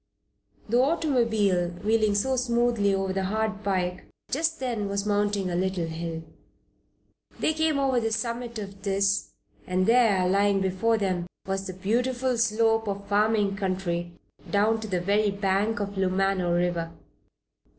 The automobile, wheeling so smoothly over the hard pike, just then was mounting a little hill. They came over the summit of this and there, lying before them, was the beautiful slope of farming country down to the very bank of the Lumano River.